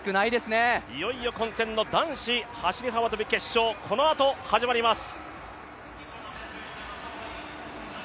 いよいよ混戦の男子走幅跳決勝、このあと始まります。